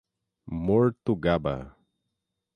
Mortugaba